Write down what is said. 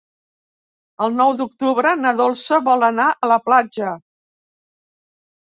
El nou d'octubre na Dolça vol anar a la platja.